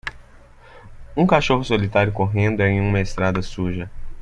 um cachorro solitário correndo em uma estrada suja